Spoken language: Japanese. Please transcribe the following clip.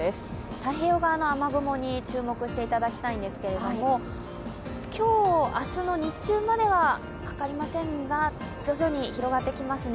太平洋側の雨雲に注目していただきたいんですが、今日、明日の日中まではかかりませんが、徐々に広がってきますね。